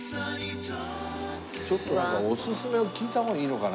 ちょっとなんかおすすめを聞いた方がいいのかな？